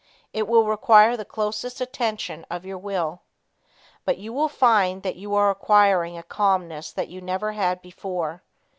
It will require the closest attention of your will. But you will find that you are acquiring a calmness you never had before.